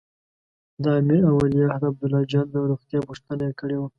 د امیر او ولیعهد عبدالله جان د روغتیا پوښتنه یې کړې وه.